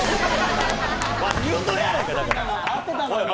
わし、言うとるやないか！